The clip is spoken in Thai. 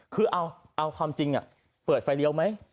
คือเอาความจริงเปิดไฟเลี้ยวไหม